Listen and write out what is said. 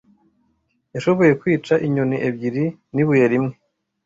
Yashoboye kwica inyoni ebyiri n'ibuye rimwe.